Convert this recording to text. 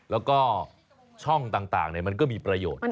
แล้วก็ช่องต่างมันก็มีประโยชน์